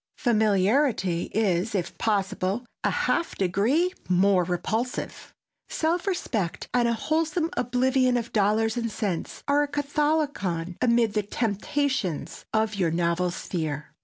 Familiarity is, if possible, a half degree more repulsive. Self respect and a wholesome oblivion of dollars and cents are a catholicon amid the temptations of your novel sphere.